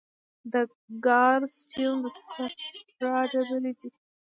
د ګال سټون د صفرا ډبرې دي.